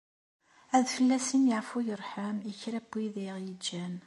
Ad fell-asen yeɛfu yerḥem i kra n wid i aɣ-yeǧǧan.